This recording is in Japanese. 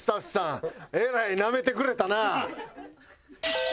えらいなめてくれたなあ？